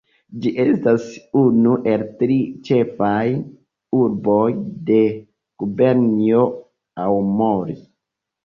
Ĝi estas unu el tri ĉefaj urboj de Gubernio Aomori.